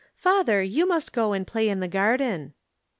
"Father, you must go and play in the garden."